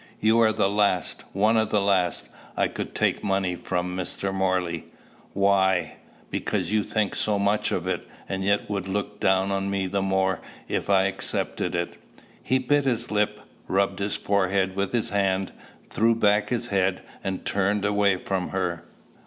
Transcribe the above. "You are the last one of the last I could take money from, Mr. Morley." "Why?" "Because you think so much of it, and yet would look down on me the more if I accepted it." He bit his lip, rubbed his forehead with his hand, threw back his head, and turned away from her.